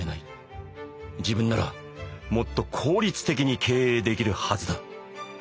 自分ならもっと効率的に経営できるはずだ」。